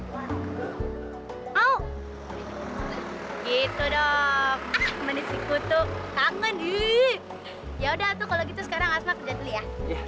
gitu dong menisiku tuh kangen di ya udah tuh kalau gitu sekarang asma kerja dulu ya